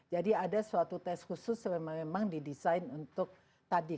jadi ada suatu tes khusus memang didesain untuk tadi